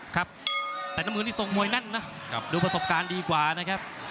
ครับแต่น้ำมือนี่ทรงมวยแน่นนะดูประสบการณ์ดีกว่านะครับ